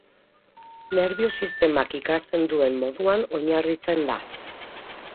Nerbio-sistemak ikasten duen moduan oinarritzen da.